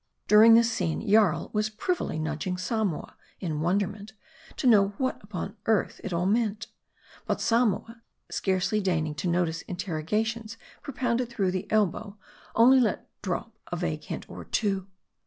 During this scene, Jarl was privily nudging Samoa, in wonderment, to know what upon earth it all meant. But Samoa, scarcely deigning to notice interrogatories propounded through the elbow, only let drop a vague hint or two.